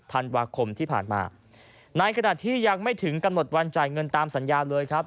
ธันวาคมที่ผ่านมาในขณะที่ยังไม่ถึงกำหนดวันจ่ายเงินตามสัญญาเลยครับ